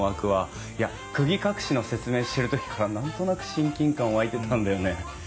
いや釘隠しの説明してる時から何となく親近感湧いてたんだよね。